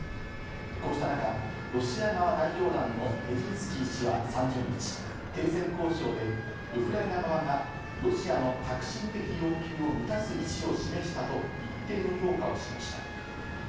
こうした中、ロシア側代表団のメジンスキー氏は３０日、停戦交渉でウクライナ側がロシアの核心的要求を満たす意思を示したと一定の評価をしました。